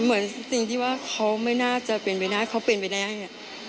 เหมือนสิ่งที่ว่าเขาไม่น่าจะเป็นไปแล้วเขาเป็นไปแล้วอย่างนี้